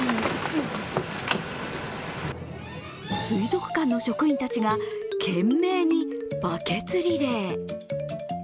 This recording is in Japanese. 水族館の職員たちが懸命にバケツリレー。